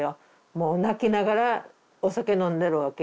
もう泣きながらお酒飲んでるわけ。